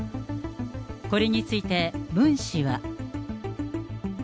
これについて、ムン氏は。